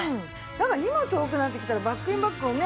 荷物多くなってきたらバッグインバッグをね